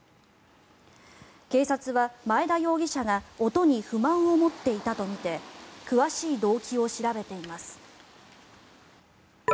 警察は前田容疑者が音に不満を持っていたとみて詳しい動機を調べています。